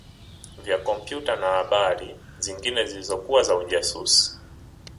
vya kompyuta na habari zingine zilizokuwa za ujasusi